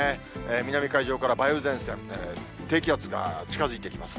南海上から梅雨前線、低気圧が近づいてきます。